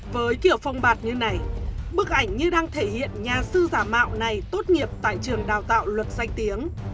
với kiểu phong bạt như này bức ảnh như đang thể hiện nhà sư giả mạo này tốt nghiệp tại trường đào tạo luật danh tiếng